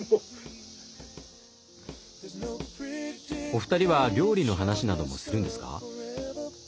お二人は料理の話などもするんですか？